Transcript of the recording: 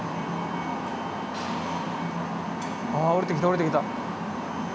ああおりてきたおりてきた。